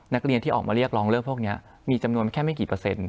นักเรียนที่ออกมาเรียกร้องเรื่องพวกนี้มีจำนวนแค่ไม่กี่เปอร์เซ็นต